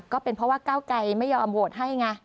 ก็เป็นเพราะว่าก้าวไกรไม่ยอมโหวตให้ไง